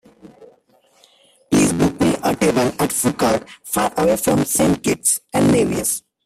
Please book me a table at a food court faraway from Saint Kitts and Nevis.